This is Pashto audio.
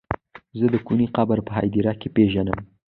زه د کوني قبر په هديره کې پيژنم.